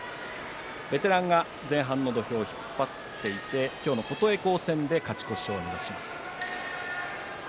ベテランが前半の土俵を引っ張っていって今日の琴恵光戦で勝ち越しを目指します。